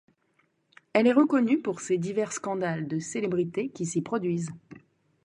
Elle est reconnue pour ses divers scandales de célébrités qui s'y produisent.